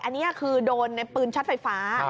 อันนี้คือโดนในปืนช็อตไฟฟ้า